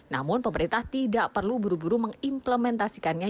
namun pemerintah tidak perlu buru buru mengimplementasikannya